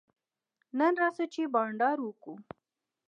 نن راسه چي بانډار وکو.